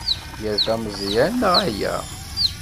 Yerfa Meẓyan, neɣ ala?